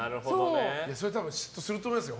多分、嫉妬すると思いますよ。